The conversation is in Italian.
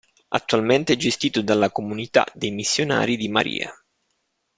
Attualmente è gestito dalla comunità dei Missionari di Maria.